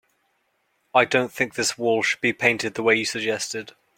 I don't think this wall should be painted the way you suggested.